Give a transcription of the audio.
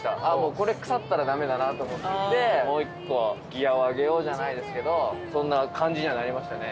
ここで腐ったらダメだなと思ってもう１個ギアを上げようじゃないですけどそんな感じにはなりましたね。